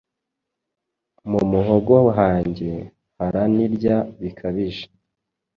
Mumuhogo hanjye haranrya bikabije